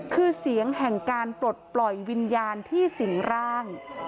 คือเสียงแห่งการปลดปล่อยวิญญาณที่สิงร่าง